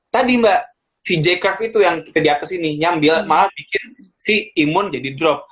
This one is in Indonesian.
tadi mbak si jacorf itu yang kita di atas ini nyambil malah bikin si imun jadi drop